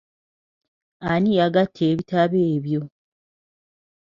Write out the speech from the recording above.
Ani yagatta ebitabo ebyo.